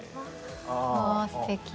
ああすてき。